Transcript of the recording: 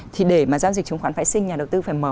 thì để mà giao dịch chứng khoán phải sinh nhà đầu tư phải mở